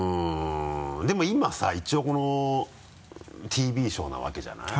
でも今さ一応ＴＶショーなわけじゃない？